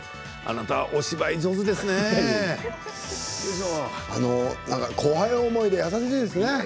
あなたはお芝居、上手ですね。